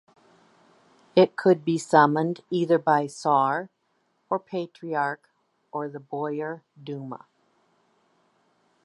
It could be summoned either by tsar, or patriarch, or the Boyar Duma.